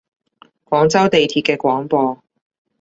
廣州地鐵嘅廣播